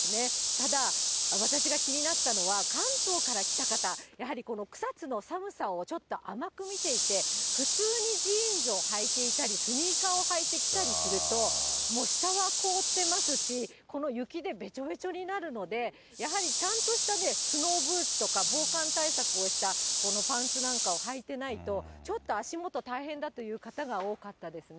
ただ、私が気になったのは、関東から来た方、やはり草津の寒さをちょっと甘く見ていて、普通にジーンズをはいていたり、スニーカーを履いてきたりすると、もう下は凍ってますし、この雪でべちょべちょになるので、やはりちゃんとしたスノーブーツとか防寒対策をしたパンツなんかをはいてないと、ちょっと足元、大変だという方が多かったですね。